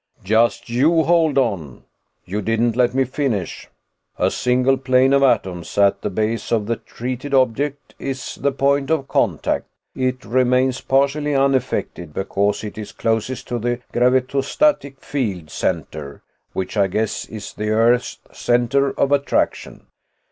"Just you hold on. You didn't let me finish. A single plane of atoms, at the base of the treated object is the point of contact. It remains partially unaffected because it is closest to the 'gravetostatic field center', which I guess is the Earth's center of attraction.